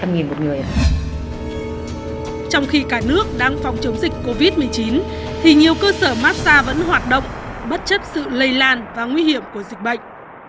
nga vẫn hoạt động bất chấp sự lây lan và nguy hiểm của dịch bệnh